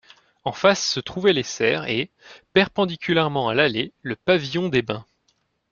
En face se trouvaient les serres et, perpendiculairement à l'allée, le pavillon des bains.